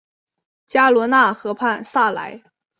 加罗讷河畔萨莱。